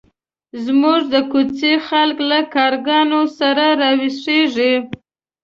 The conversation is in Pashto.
زموږ د کوڅې خلک له کارګانو سره راویښېږي.